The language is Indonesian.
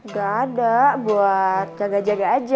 gak ada buat jaga jaga aja